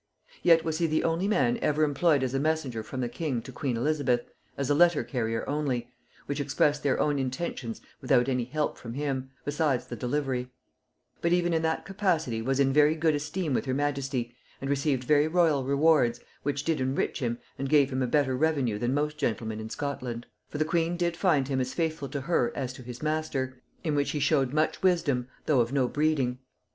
Yet was he the only man ever employed as a messenger from the king to queen Elizabeth, as a letter carrier only, which expressed their own intentions without any help from him, besides the delivery; but even in that capacity was in very good esteem with her majesty, and received very royal rewards, which did enrich him, and gave him a better revenue than most gentlemen in Scotland. For the queen did find him as faithful to her as to his master, in which he showed much wisdom, though of no breeding.